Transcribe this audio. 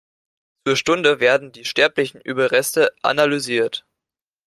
Zur Stunde werden die sterblichen Überreste analysiert.